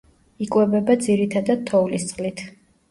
იკვებება ძირითადად თოვლის წყლით.